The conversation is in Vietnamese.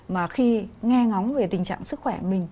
mà khi nghe ngóng về tình trạng sức khỏe mình